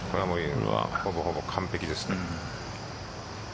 ほぼほぼ完璧ですね。